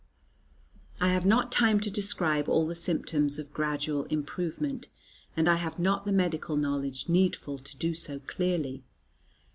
I have not time to describe all the symptoms of gradual improvement, and I have not the medical knowledge needful to do so clearly.